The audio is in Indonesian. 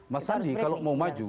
mas sandi kalau mau maju